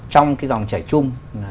trong cái dòng chảy chung